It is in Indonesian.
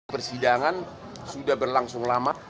persidangan sudah berlangsung lama